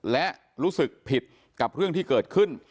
และรู้สึกผิดกับเรื่องที่เกิดขึ้น